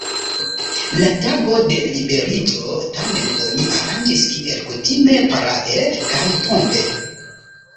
La tagon de liberiĝo, tamen, oni aranĝis kiel kutime parade kaj pompe.